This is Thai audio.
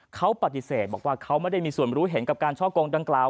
เขาปฏิเสธบอกว่าเขาไม่ได้มีส่วนรู้เห็นกับการช่อกงดังกล่าว